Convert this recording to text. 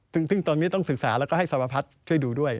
ซึ่งตรงนี้ต้องศึกษาและให้สมรพัทธ์ช่วยดูด้วย